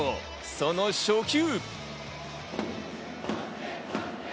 その初球。